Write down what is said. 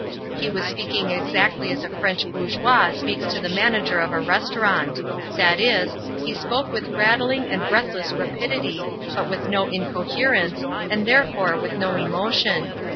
He was speaking exactly as a French bourgeois speaks to the manager of a restaurant. That is, he spoke with rattling and breathless rapidity, but with no incoherence, and therefore with no emotion.